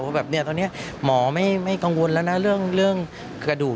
แบบนี้ตอนนี้หมอไม่กังวลแล้วนะเรื่องกระดูก